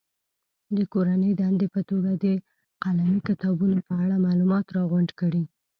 د کورنۍ دندې په توګه د قلمي کتابونو په اړه معلومات راغونډ کړي.